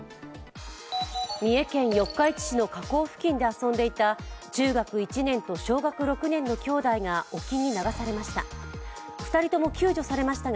三重県四日市市の河口付近で遊んでいた中学１年と小学６年の兄弟が沖に流されました。